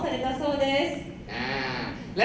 เพราะว่าเลยมั้ยฮะ